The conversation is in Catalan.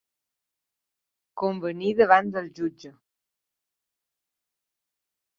Convenir davant del jutge.